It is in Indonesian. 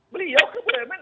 beliau ke bumn